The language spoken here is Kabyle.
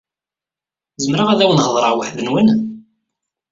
Zemreɣ ad awen-heḍṛeɣ weḥd-nwen?